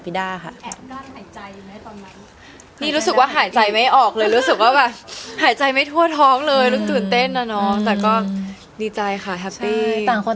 พี่น่ารู้มีสติกดีมากนะ